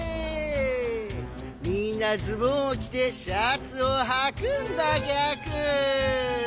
みんなズボンをきてシャツをはくんだギャク。